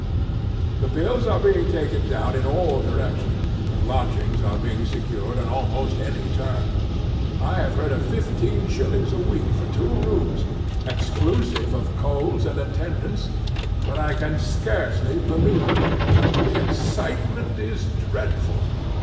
'The bills are being taken down in all directions, and lodgings are being secured on almost any terms. I have heard of fifteen shillings a week for two rooms, exclusive of coals and attendance, but I can scarcely believe it. The excitement is dreadful.